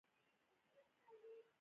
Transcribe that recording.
ژوند خو په یارانو باندې ښکلی دی.